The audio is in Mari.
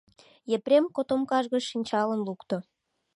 Епрем котомкаж гыч шинчалым лукто.